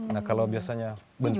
nah kalau biasanya bentukan